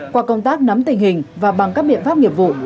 qua công tác nắm tình hình và bằng các biện pháp nghiệp vụ